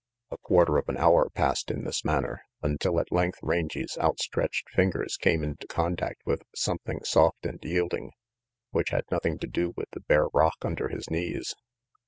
A quarter of an hour passed in this manner, until at length Rangy 's outstretched fingers came into contact with something soft and yielding which had nothing to do with the bare rock under his knees.